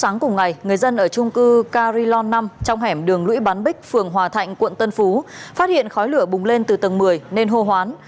cùng ngày người dân ở trung cư carion năm trong hẻm đường lũy bán bích phường hòa thạnh quận tân phú phát hiện khói lửa bùng lên từ tầng một mươi nên hô hoán